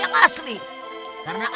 yang palsu tidak mungkin mengalahkan yang asli